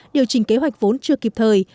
điều chỉnh kế hoạch vốn chưa kịp thời